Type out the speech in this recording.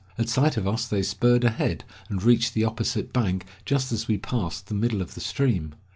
At sight of us they spurred ahead, and reached the opposite bank just as we passed the middle of the stream.